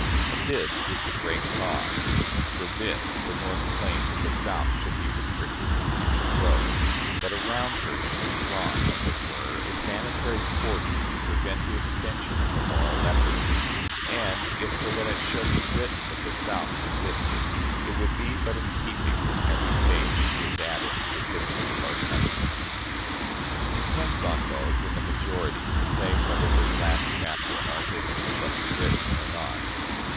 And this was the great cause. For this the North claimed that the South should be restricted from future growth that around her should be drawn, as it were, a sanitary cordon to prevent the extension of a "moral leprosy"; and, if for that it shall be written that the South resisted, it would be but in keeping with every page she has added to the history of our country. It depends on those in the majority to say whether this last chapter in our history shall be written or not.